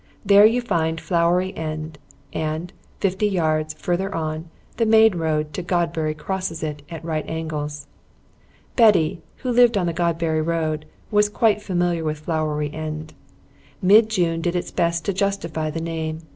There you find Flowery End, and, fifty yards further on, the main road to Godbury crosses it at right angles. Betty, who lived on the Godbury Road, was quite familiar with Flowery End. Mid June did its best to justify the name.